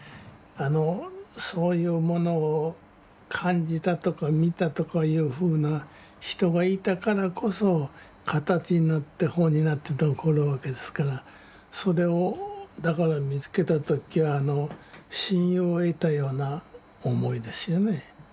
あのそういうものを感じたとか見たとかいうふうな人がいたからこそ形になって本になって残るわけですからそれをだから見つけた時は親友を得たような思いですよね。